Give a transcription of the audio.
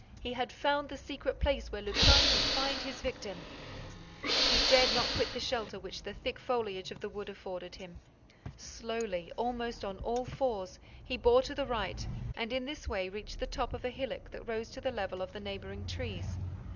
He had found the secret place where Lupin confined his victim. He dared not quit the shelter which the thick foliage of the wood afforded him. Slowly, almost on all fours, he bore to the right and in this way reached the top of a hillock that rose to the level of the neighboring trees.